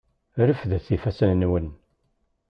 Refdet ifassen-nwen!